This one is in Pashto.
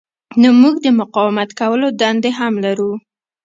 نو موږ د مقاومت کولو دنده هم لرو.